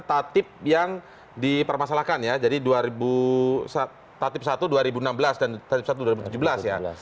tatip yang dipermasalahkan ya jadi tatip satu dua ribu enam belas dan tatip satu dua ribu tujuh belas ya